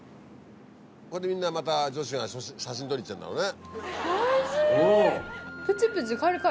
これでみんなまた女子が写真撮りに来ちゃうんだろうね。